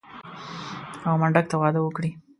او منډک ته واده وکړي.